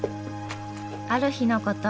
ある日のこと。